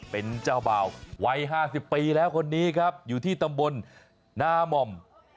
เป็นเจ้าบ่าววัย๕๐ปีแล้วคนนี้ครับอยู่ที่ตำบลนาม่อม